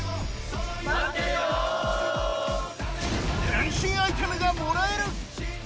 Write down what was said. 変身アイテムがもらえる！